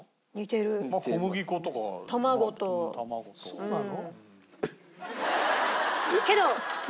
そうなの。